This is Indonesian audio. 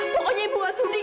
pokoknya ibu nggak sudi